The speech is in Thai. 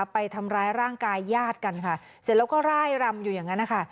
ไปทำร้ายร่างกายญาติกันค่ะเสร็จแล้วก็ร่ายรำอยู่อย่างนั้นนะคะ